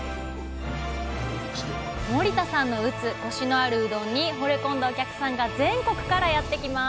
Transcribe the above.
森田さんの打つコシのあるうどんにほれ込んだお客さんが全国からやって来ます